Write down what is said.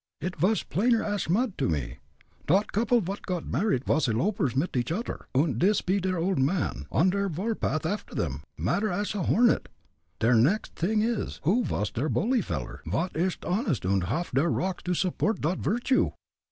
"Id vas plainer ash mud to me. Dot couple vot got married vas elopers mit each odder, und dis pe der old man on der war path after 'em, madder ash a hornet. Der next t'ing is, who vas der bully veller, vot ish honest und haff der rocks to support dot virtue?"